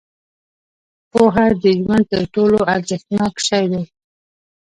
• پوهه د ژوند تر ټولو ارزښتناک شی دی.